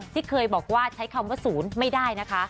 ที่เคยบอกว่าใช้คำว่าศูนย์ไม่ได้นะคะ